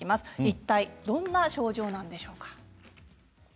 一体どんな症状なんでしょうか。